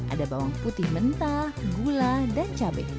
ada bawang putih mentah gula dan cabai